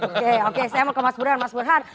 oke oke saya mau ke mas burhan mas burhan